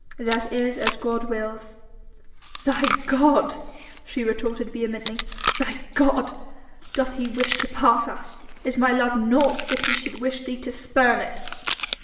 "That is as God wills...!" "Thy god!" she retorted vehemently, "thy god! Doth he wish to part us? Is my love naught that he should wish thee to spurn it...?"